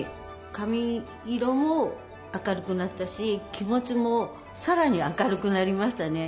髪色も明るくなったし気持ちもさらに明るくなりましたね。